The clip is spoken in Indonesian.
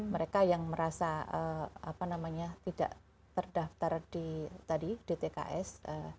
mereka yang merasa tidak terdaftar di tadi dtks